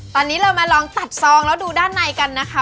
ตอนนี้เรามาลองตัดซองแล้วดูด้านในกันนะคะ